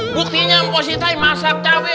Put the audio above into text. buktinya mpok si tai masak cabai